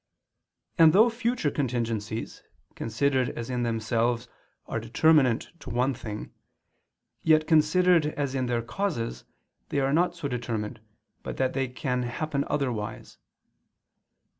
And though future contingencies, considered as in themselves, are determinate to one thing, yet, considered as in their causes, they are not so determined but that they can happen otherwise.